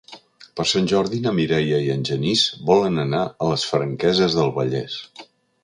Per Sant Jordi na Mireia i en Genís volen anar a les Franqueses del Vallès.